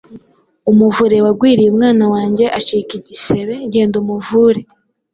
Umuvure wagwiriye umwana wange acika igisebe; genda umuvure.